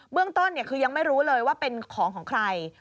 เรื่องต้นคือยังไม่รู้เลยว่าเป็นของของใคร